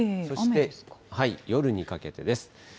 そして、夜にかけてです。